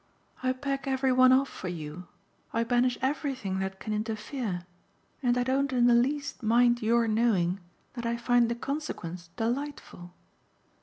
I pack every one off for you I banish everything that can interfere, and I don't in the least mind your knowing that I find the consequence delightful.